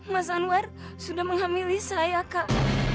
mas anwar sudah menghamili saya kak